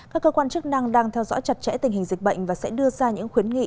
các cơ quan chức năng đang theo dõi chặt chẽ tình hình dịch bệnh và sẽ đưa ra những khuyến nghị